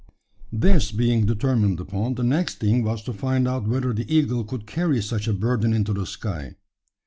This being determined upon, the next thing was to find out whether the eagle could carry such a burden into the sky.